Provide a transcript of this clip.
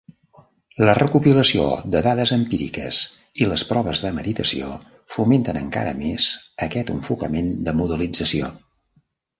La recopilació de dades empíriques i les proves de meditació fomenten encara més aquest enfocament de modelització.